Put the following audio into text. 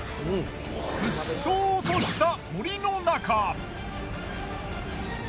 うっそうとした森の中。